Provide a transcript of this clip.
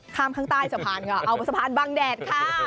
ข้างข้างใต้สะพานค่ะเอาสะพานบางแดดค่ะ